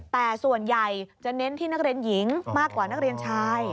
แต่ส่วนใหญ่จะเน้นที่นักเรียนหญิงมากกว่านักเรียนชาย